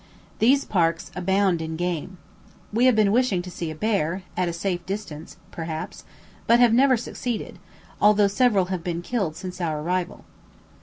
These parks abound in game. We have been wishing to see a bear; at a safe distance, perhaps, but have never succeeded, though several have been killed since our arrival.